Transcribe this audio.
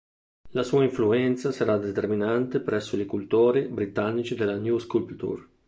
La sua influenza sarà determinante presso gli cultori britannici della New Sculpture.